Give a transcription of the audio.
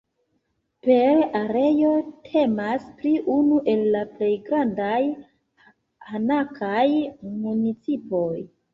Per areo temas pri unu el la plej grandaj hanakaj municipoj.